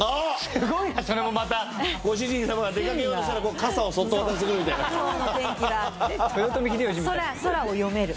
すごいなそれもまたご主人様が出かけようとしたら傘をそっと渡してくるみたいなきょうの天気がって空を読める